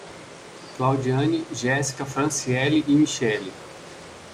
Claudiane, Géssica, Franciele e Michelle